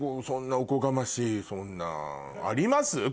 そんなおこがましいそんな。あります？